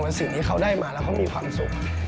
สิ่งที่เขาได้มาแล้วเขามีความสุข